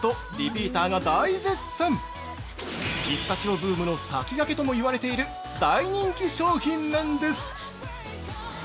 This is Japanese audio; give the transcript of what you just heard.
ピスタチオブームの先駆けともいわれている大人気商品なんです。